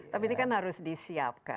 tapi ini kan harus disiapkan